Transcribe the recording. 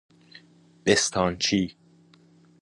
بستانچی